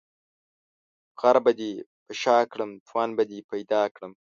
غر به دي په شاکړم ، توان به دي پيدا کړم.